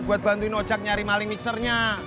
buat bantuin ocak nyari maling mixernya